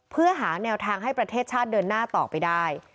เพื่อหาแนวทางให้ประเทศชาติเดินหน้าต่อไปได้